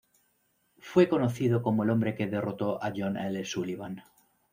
Fue conocido como el hombre que derrotó a John L. Sullivan.